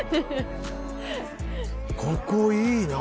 ここいいな。